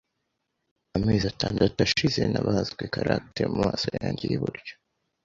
Amezi atandatu ashize nabazwe cataracte mumaso yanjye yiburyo.